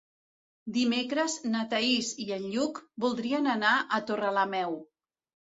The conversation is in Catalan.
Dimecres na Thaís i en Lluc voldrien anar a Torrelameu.